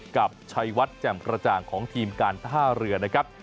กับชัยวัดแจ่มกระจ่างของทีมการท่าเรือนะครับ